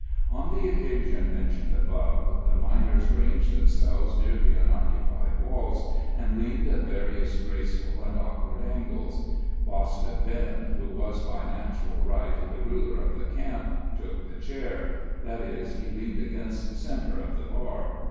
On the occasion mentioned above, the miners ranged themselves near the unoccupied walls, and leaned at various graceful and awkward angles. Boston Ben, who was by natural right the ruler of the camp, took the chair that is, he leaned against the centre of the bar.